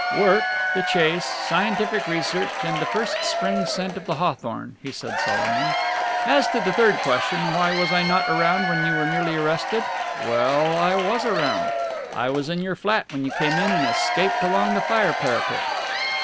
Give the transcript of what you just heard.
"Work, the chase, scientific research and the first spring scent of the hawthorn," he said solemnly. "As to the third question, why was I not around when you were nearly arrested? Well, I was around. I was in your flat when you came in and escaped along the fire parapet."